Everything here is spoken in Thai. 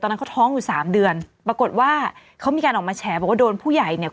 นั้นเขาท้องอยู่สามเดือนปรากฏว่าเขามีการออกมาแฉบอกว่าโดนผู้ใหญ่เนี่ย